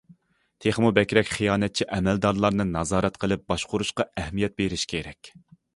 تېخىمۇ بەكرەك خىيانەتچى ئەمەلدارلارنى نازارەت قىلىپ باشقۇرۇشقا ئەھمىيەت بېرىش كېرەك.